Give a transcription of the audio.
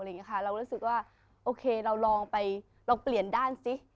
เรารู้สึกว่าโอเคเราลองไปลองเปลี่ยนด้านสิ